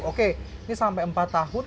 oke ini sampai empat tahun